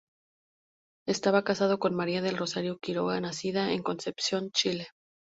Estaba casado con María del Rosario Quiroga, nacida en Concepción, Chile.